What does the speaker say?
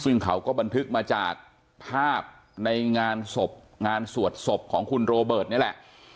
ซึ่งเขาก็บันทึกมาจากภาพในงานศพงานสวดศพของคุณโรเบิร์ตนี่แหละ